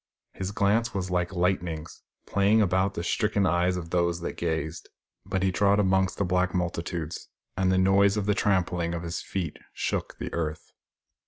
His glance was like lightnings, playing about the stricken eyes of those that gazed. But he trod among the black multitudes, and the noise of the trampling of his feet shook the earth.